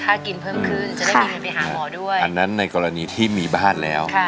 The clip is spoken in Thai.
อันนั้นในกรณีที่มีบ้านแล้ว